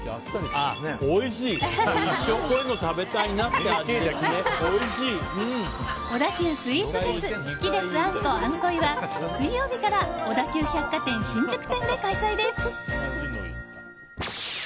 一生、こういうの食べたいなって小田急スイーツフェス好きです、「あんこ」餡恋ａｎｋｏｉは、水曜日小田急百貨店新宿店で開催です。